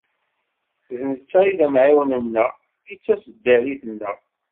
D netta i d amɛiwen-nneɣ, i d taseddarit-nneɣ.